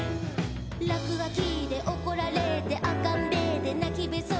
「らくがきでおこられてあっかんべーでなきべそで」